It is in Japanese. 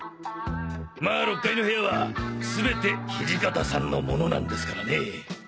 まあ６階の部屋はすべて土方さんのものなんですからね。